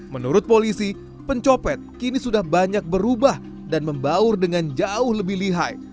menurut polisi pencopet kini sudah banyak berubah dan membaur dengan jauh lebih lihai